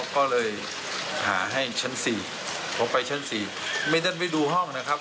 ก็เลยหาให้ชั้นสี่พอไปชั้นสี่ไม่ได้ไปดูห้องนะครับ